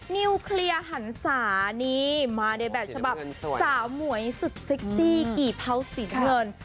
นิวเคลียร์หันศานี่มาในแบบฉบับสาวหมวยสุดเซ็กซี่กี่เผาสีน้ำเงิน